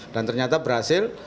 dan ternyata berhasil